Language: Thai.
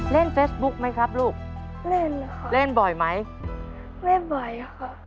เล่นหรือครับลูกเล่นบ่อยไหมไม่บ่อยครับ